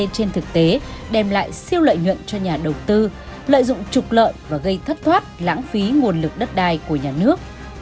trên thực tế đem lại siêu lợi nhuận cho nhà đầu tư lợi dụng trục lợi và gây thất thoát lãng phí nguồn lực đất đai của nhà nước